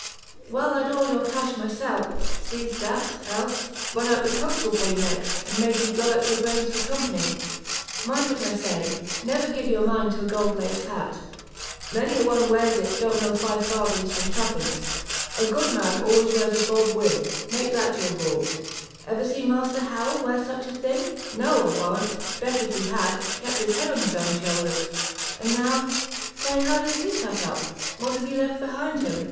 "Well I'd all your cash myself; seized that, else! run out the constable for you, next, and made you blow out your brains for company. Mind what I say, never give your mind to a gold lace hat! many a one wears it don't know five farthings from twopence. A good man always wears a bob wig; make that your rule. Ever see Master Harrel wear such a thing? No, I'll warrant! better if he had; kept his head on his own shoulders. And now, pray, how does he cut up? what has he left behind him?